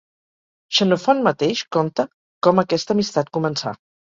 Xenofont mateix conta com aquesta amistat començà